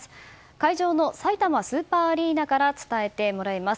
会場のさいたまスーパーアリーナから伝えてもらいます。